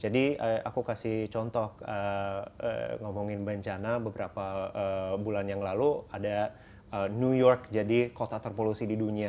jadi aku kasih contoh ngomongin bencana beberapa bulan yang lalu ada new york jadi kota terpolusi di dunia